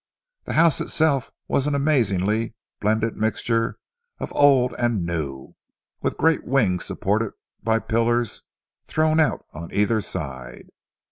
The house itself was an amazingly blended mixture of old and new, with great wings supported by pillars thrown out on either side.